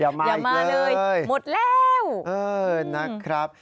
อย่ามาอีกเลยหมดแล้วนะครับอย่ามาเลย